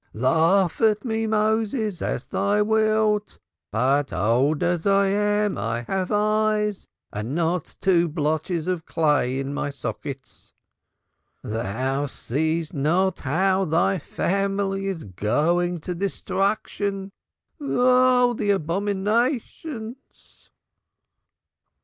Laugh at me, Moses, as thou wilt, but, old as I am, I have eyes, and not two blotches of clay, in my sockets. Thou seest not how thy family is going to destruction. Oh, the abominations!"